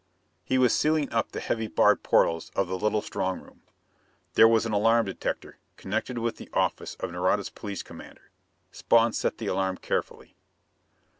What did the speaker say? He was sealing up the heavy barred portals of the little strong room. There was an alarm detector, connected with the office of Nareda's police commander. Spawn set the alarm carefully.